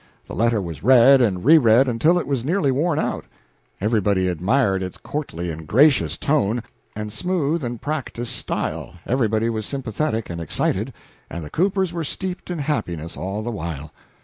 The letter was read and re read until it was nearly worn out; everybody admired its courtly and gracious tone, and smooth and practised style, everybody was sympathetic and excited, and the Coopers were steeped in happiness all the while.